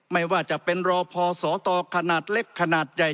ไม่ว่าจะเป็นรอพอสตขนาดเล็กขนาดใหญ่